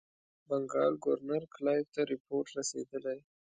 بنکال ګورنر کلایف ته رپوټ رسېدلی.